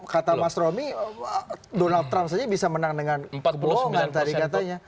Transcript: kata mas romi donald trump saja bisa menang dengan kebohongan tadi katanya